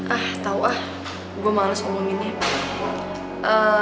ah tau ah gue males ngomongin ini ya